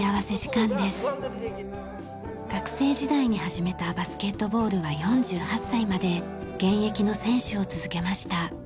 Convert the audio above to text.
学生時代に始めたバスケットボールは４８歳まで現役の選手を続けました。